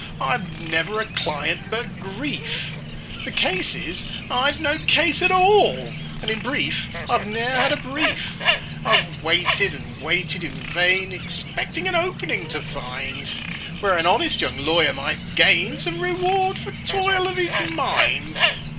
I've never a client but grief: The case is, I've no case at all, And in brief, I've ne'er had a brief! "I've waited and waited in vain, Expecting an 'opening' to find, Where an honest young lawyer might gain Some reward for toil of his mind.